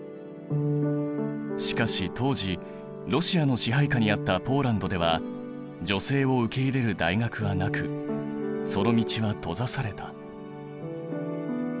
しかし当時ロシアの支配下にあったポーランドでは女性を受け入れる大学はなくその道は閉ざされた。